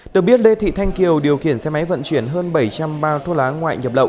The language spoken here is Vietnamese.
được biết lê thị thanh kiều điều khiển xe máy vận chuyển hơn bảy trăm linh bao thuốc lá ngoại nhập lậu